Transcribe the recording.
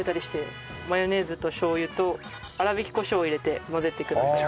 マヨネーズとしょう油と粗挽きコショウを入れて混ぜてください。